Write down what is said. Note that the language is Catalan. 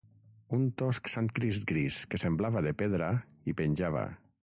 Un tosc santcrist gris que semblava de pedra hi penjava.